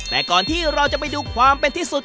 แต่ก่อนที่เราจะไปดูความเป็นที่สุด